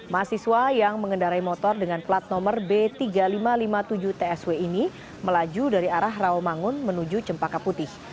mahasiswa yang mengendarai motor dengan plat nomor b tiga ribu lima ratus lima puluh tujuh tsw ini melaju dari arah rawamangun menuju cempaka putih